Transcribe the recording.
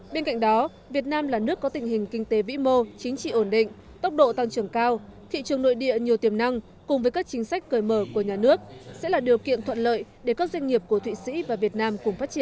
bên cạnh đó việt nam là nước có tình hình kinh tế vĩ mô chính trị ổn định tốc độ tăng trưởng cao thị trường nội địa nhiều tiềm năng cùng với các chính sách cởi mở của nhà nước sẽ là điều kiện thuận lợi để các doanh nghiệp của thụy sĩ và việt nam cùng phát triển